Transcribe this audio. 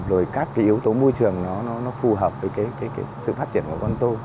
rồi các cái yếu tố môi trường nó phù hợp với cái sự phát triển của con tôm